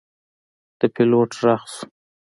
د پیلوټ غږ شو.